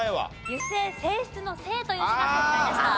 油性性質の「性」という字が正解でした。